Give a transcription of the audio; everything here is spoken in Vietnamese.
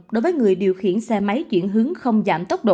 đối với người điều khiển xe máy chuyển hướng không giảm tốc độ